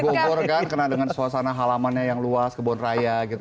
bumbur kan kena dengan suasana halamannya yang luas kebonraya gitu